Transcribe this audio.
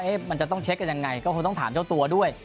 มันจะต้องเช็คกันยังไงก็คงต้องถามเจ้าตัวด้วย